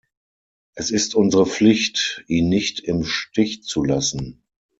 Es ist unsere Pflicht, ihn nicht im Stich zu lassen.